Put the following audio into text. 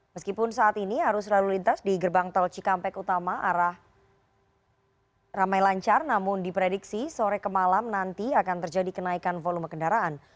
meskipun saat ini arus lalu lintas di gerbang tol cikampek utama arah ramai lancar namun diprediksi sore ke malam nanti akan terjadi kenaikan volume kendaraan